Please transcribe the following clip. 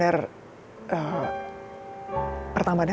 aku juga mau